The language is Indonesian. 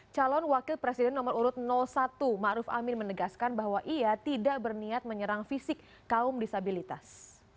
calon wakil presiden nomor urut satu ⁇ maruf ⁇ amin menegaskan bahwa ia tidak berniat menyerang fisik kaum disabilitas